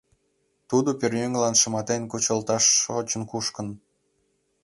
Тудо пӧръеҥлан шыматен кучылташ шочын-кушкын.